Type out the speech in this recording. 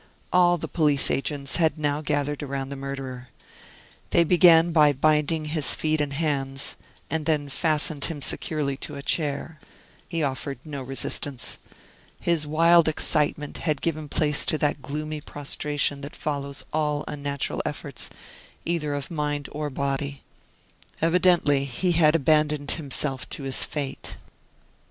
All the police agents had now gathered around the murderer. They began by binding his feet and hands, and then fastened him securely to a chair. He offered no resistance. His wild excitement had given place to that gloomy prostration that follows all unnatural efforts, either of mind or body. Evidently he had abandoned himself to his fate.